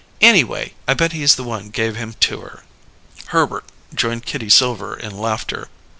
Anyway, I bet he's the one gave him to her." Herbert joined Kitty Silver in laughter.